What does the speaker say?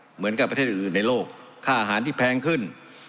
เหมือนกับประเทศอื่นในโลกค่าอาหารที่แพงขึ้น